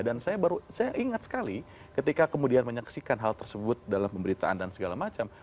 dan saya baru saya ingat sekali ketika kemudian menyaksikan hal tersebut dalam pemberitaan dan segala macam